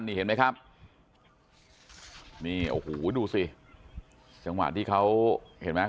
นี่เห็นไหมครับนี่โอ้โหดูสิจังหวะที่เขาเห็นไหม